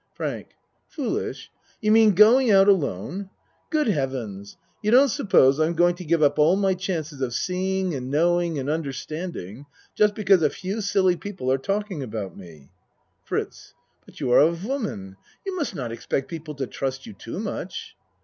FRANK Foolish? You mean going out alone? Good Heavens! You don't supose I'm going to give up all my chances of seeing and knowing and un derstanding just because a few silly people are talk ing about me? FRITZ But you are a woman. You must not expect people to trust you too much.